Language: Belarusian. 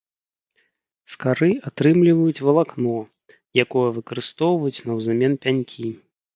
З кары атрымліваюць валакно, якое выкарыстоўваюць наўзамен пянькі.